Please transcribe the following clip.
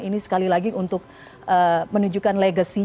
ini sekali lagi untuk menunjukkan legacy